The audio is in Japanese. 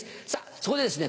そこでですね